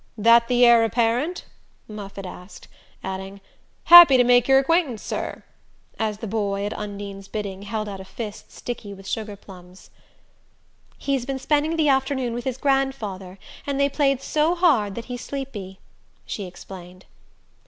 "That the heir apparent?" Moffatt asked; adding "Happy to make your acquaintance, sir," as the boy, at Undine's bidding, held out a fist sticky with sugarplums. "He's been spending the afternoon with his grandfather, and they played so hard that he's sleepy," she explained.